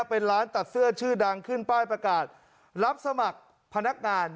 เป็นร้านตัดเสื้อชื่อดังขึ้นป้ายประกาศรับสมัครพนักงาน